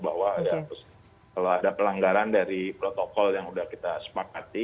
bahwa ya terus kalau ada pelonggaran dari protokol yang sudah kita setuju